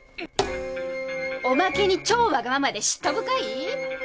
おまけに超わがままで嫉妬深い！？